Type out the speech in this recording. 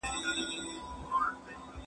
که وخت وي، موسيقي اورم!